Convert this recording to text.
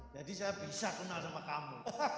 jadi saya bisa kenal sama kamu